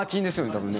多分ね。